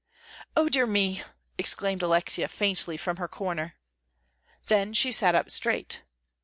"O dear me!" exclaimed Alexia, faintly from her corner. Then she sat up straight.